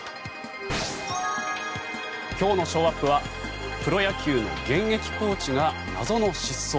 今日のショーアップはプロ野球の現役コーチが謎の失踪。